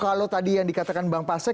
kalau tadi yang dikatakan bang pasek